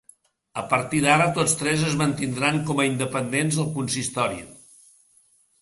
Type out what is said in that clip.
A partir d’ara tots tres es mantindran com a independents al consistori.